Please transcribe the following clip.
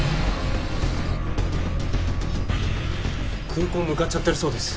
空港向かっちゃってるそうです。